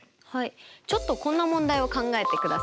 ちょっとこんな問題を考えてください。